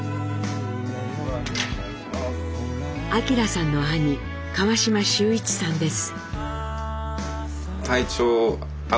明さんの兄・川島修一さんです。